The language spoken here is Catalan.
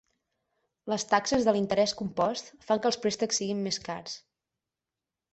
Les taxes de l'interès compost fan que els préstecs siguin més cars.